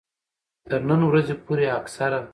تر نن ورځې پورې اکثره